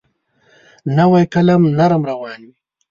نوی قلم نرم روان وي.